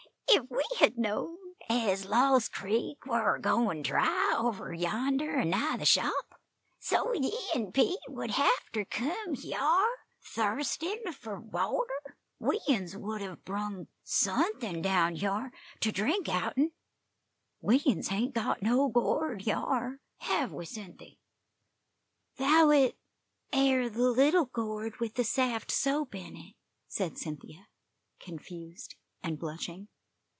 "Ef we hed knowed ez Lost Creek war a goin' dry over yander a nigh the shop, so ye an' Pete would hev ter kem hyar thirstin' fur water, we uns would hev brung suthin' down hyar ter drink out'n. We uns hain't got no gourd hyar, hev we, Cynthy?" "'Thout it air the little gourd with the saft soap in it," said Cynthia, confused and blushing.